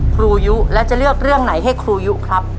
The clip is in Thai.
ครูยุแล้วจะเลือกเรื่องไหนให้ครูยุครับ